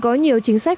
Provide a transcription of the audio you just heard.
có nhiều chính sách